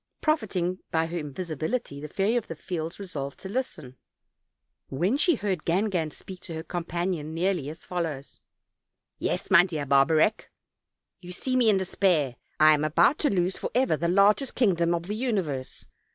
Profiting by her invisibility, the Fairy of the Fields resolved to listen, when she heard Gangan speak to her companion nearly as follows: "Yes, my dear Barbarec, you see me in de spair; I am about to lose forever the largest kingdom of the universe.